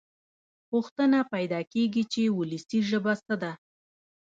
پوښتنه پیدا کېږي چې وولسي ژبه څه ده.